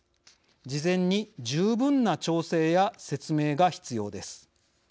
事前に十分な調整や説明が必要です。